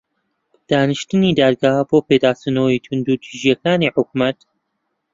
دانیشتنی دادگا بۆ پێداچوونەوەی توندوتیژییەکانی حکوومەت